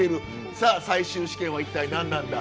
さあ最終試験は一体何なんだ。